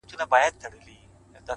زه سم پء اور کړېږم ستا په محبت شېرينې،